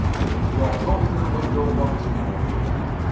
He walked over to the window once more.